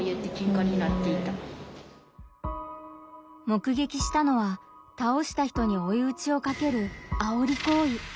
目撃したのは倒した人においうちをかける「あおり行為」。